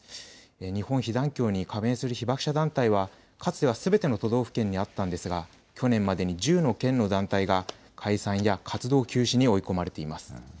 日本被団協に加盟する被爆者団体はかつてはすべての都道府県にあったんですが去年までに１０の県の団体が解散や活動休止に追い込まれています。